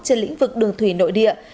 trên lĩnh vực đường thủy nội địa